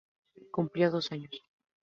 Cumplió dos años.